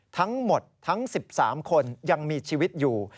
ทั้งหมดทั้ง๑๓คนยังมีชีวิตอยู่